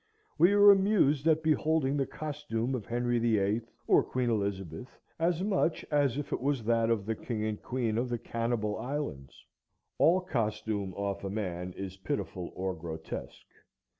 We are amused at beholding the costume of Henry VIII., or Queen Elizabeth, as much as if it was that of the King and Queen of the Cannibal Islands. All costume off a man is pitiful or grotesque.